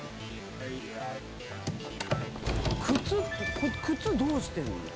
靴靴どうしてんのか？